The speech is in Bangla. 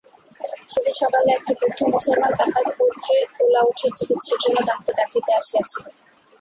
সেদিন সকালে একটি বৃদ্ধ মুসলমান তাহার পৌত্রীর ওলাউঠার চিকিৎসার জন্য তাঁহাকে ডাকিতে আসিয়াছিল।